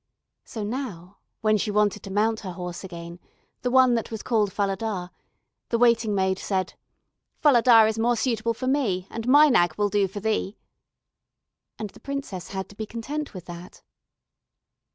So now when she wanted to mount her horse again, the one that was called Falada, the waiting maid said: "Falada is more suitable for me, and my nag will do for thee," and the princess had to be content with that.